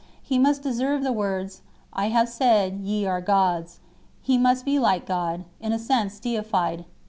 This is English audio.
He must deserve the words, "I have said, ye are gods;" he must be like God, in a sense deified 6